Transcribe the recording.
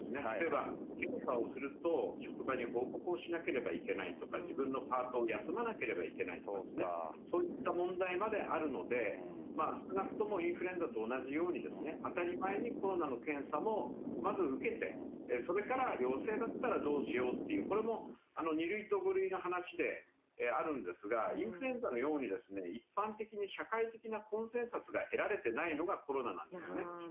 例えば検査をすると、職場に報告をしなければいけないとか、自分のパートを休まなければいけないとか、そういった問題まであるので、少なくともインフルエンザと同じように、当たり前にコロナの検査もまず受けて、それから陽性だったらどうしようっていう、これも２類と５類の話であるんですが、インフルエンザのように一般的に社会的なコンセンサスが得られてないのがコロナなんですね。